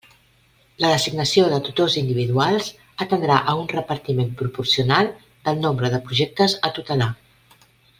La designació de tutors individuals atendrà a un repartiment proporcional del nombre de projectes a tutelar.